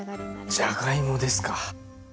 じゃがいもですか。